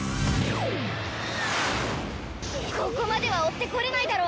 ここまでは追ってこれないだろ。